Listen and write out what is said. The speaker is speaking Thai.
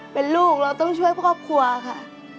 เป็นลูกเราต้องช่วยครอบครัวค่ะ